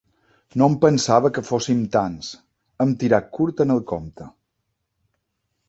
No em pensava que fóssim tants, hem tirat curt en el compte.